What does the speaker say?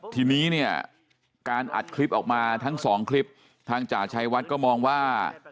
ทีนี้เนี่ยการอัดคลิปออกมาทั้งสองคลิปทางจ่าชัยวัดก็มองว่า